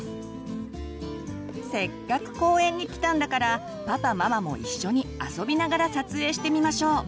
せっかく公園に来たんだからパパママも一緒に遊びながら撮影してみましょう。